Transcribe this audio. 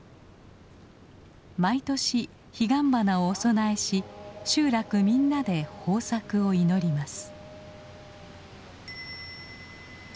毎年ヒガンバナをお供えし集落みんなで豊作を祈ります。